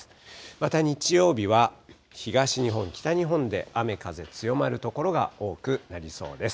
また日曜日は、東日本、北日本で雨風強まる所が多くなりそうです。